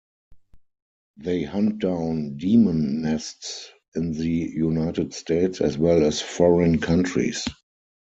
They hunt down demon nests in the United States, as well as foreign countries.